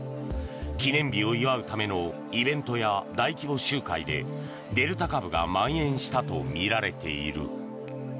記念日を祝うためのイベントや大規模集会でデルタ株がまん延したとみられている。